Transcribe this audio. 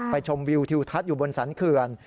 ชมวิวทิวทัศน์อยู่บนสรรเขื่อน